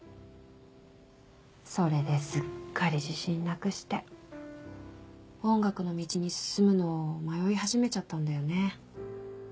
それですっかり自信なくして音楽の道に進むのを迷い始めちゃったんだよね。